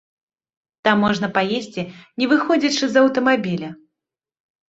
Там можна паесці не выходзячы з аўтамабіля.